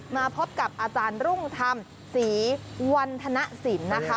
มาพบกับอาจารย์รุ่งธรรมศรีวันธนสินนะคะ